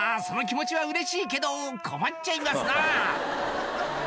その気持ちは嬉しいけど困っちゃいますなあ